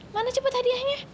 mana cepet hadiahnya